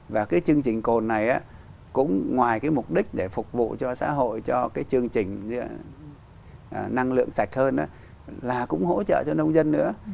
và cái chương trình cồn này cũng ngoài cái mục đích để phục vụ cho xã hội cho cái chương trình năng lượng sạch hơn là cũng hỗ trợ cho nông dân nữa